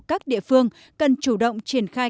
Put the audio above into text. các địa phương cần chủ động triển khai